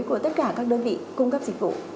của tất cả các đơn vị cung cấp dịch vụ